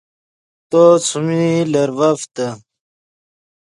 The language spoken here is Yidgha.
تو څیمی لرڤڤتے